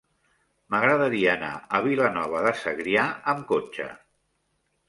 M'agradaria anar a Vilanova de Segrià amb cotxe.